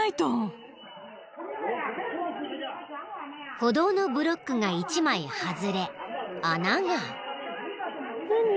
［歩道のブロックが１枚外れ穴が］